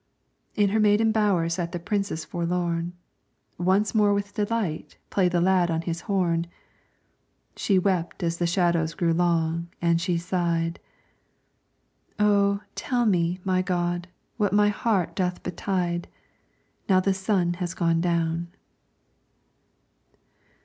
In her maiden bower sat the Princess forlorn, Once more with delight played the lad on his horn. She wept as the shadows grew long, and she sighed: "Oh, tell me, my God, what my heart doth betide, Now the sun has gone down."